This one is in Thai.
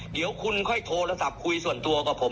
เดี๋ยวคุณค่อยโทรศัพท์คุยส่วนตัวกับผม